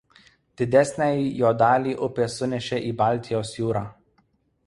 Didesnę jo dalį upės sunešė į Baltijos jūrą.